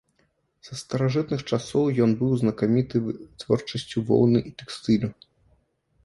Са старажытных часоў ён быў знакаміты вытворчасцю воўны і тэкстылю.